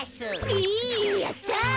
えやった！